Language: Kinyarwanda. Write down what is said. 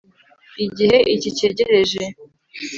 Igihe icyi cyegereje